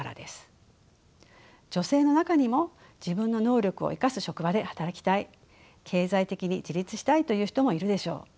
女性の中にも自分の能力を生かす職場で働きたい経済的に自立したいという人もいるでしょう。